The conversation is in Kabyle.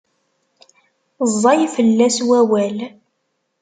Ẓẓay fell-as wawal.